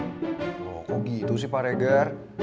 oh kok gitu sih pak regar